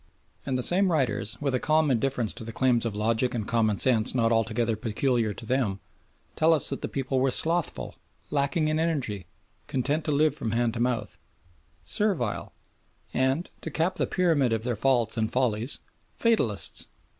And the same writers, with a calm indifference to the claims of logic and common sense not altogether peculiar to them, tell us that the people were slothful, lacking in energy, content to live from hand to mouth, servile and, to cap the pyramid of their faults and follies, fatalists!